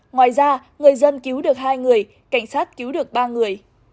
ngoài ra người dân cứu được hai người cảnh sát cứu được ba người